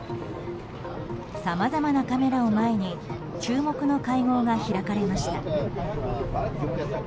さまざまなカメラを前に注目の会合が開かれました。